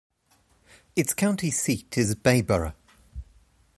Its county seat is Bayboro.